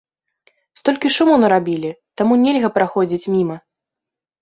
Столькі шуму нарабілі, таму нельга праходзіць міма.